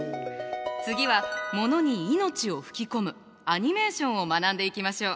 次はモノに生命を吹き込むアニメーションを学んでいきましょう！